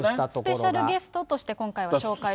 スペシャルゲストとして今回は紹介されたと。